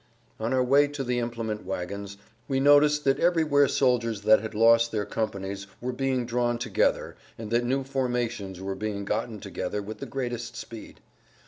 On our way to the implement wagons we noticed that everywhere soldiers that had lost their companies were[Pg 111] being drawn together and that new formations were being gotten together with the greatest speed.